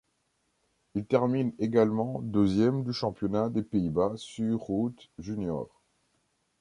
Il termine également deuxième du championnat des Pays-Bas sur route juniors.